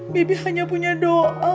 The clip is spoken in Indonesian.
bibi hanya punya doa